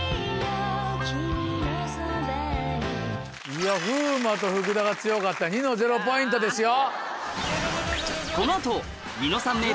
いや風磨と福田が強かったニノ０ポイントですよ。